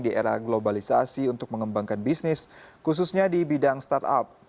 di era globalisasi untuk mengembangkan bisnis khususnya di bidang startup